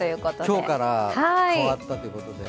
今日から変わったということで。